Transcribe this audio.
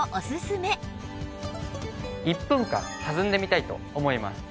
１分間弾んでみたいと思います。